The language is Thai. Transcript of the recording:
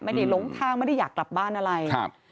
ไม่ได้ล้มทางไม่ได้อยากกลับบ้านอะไร